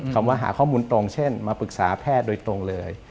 คำว่าหาข้อมูลตรงเช่นมาปรึกษาแพทย์โดยตรงเลย